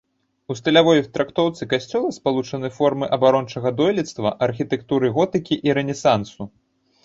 У стылявой трактоўцы касцёла спалучаны формы абарончага дойлідства, архітэктуры готыкі і рэнесансу.